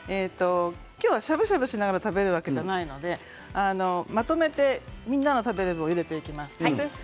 今日は、しゃぶしゃぶしながら食べるわけではないのでまとめてみんなが食べる分をゆでていきます。